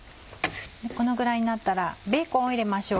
このぐらいになったらベーコンを入れましょう。